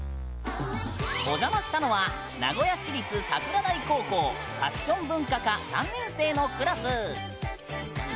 お邪魔したのは名古屋市立桜台高校ファッション文化科３年生のクラス。